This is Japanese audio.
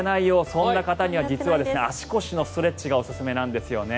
そんな方には実は足腰のストレッチがおすすめなんですよね。